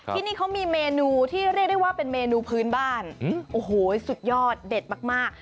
ที่นี่เขามีเมนูที่เรียกได้ว่าเป็นเมนูพื้นบ้านโอ้โหสุดยอดเด็ดมาก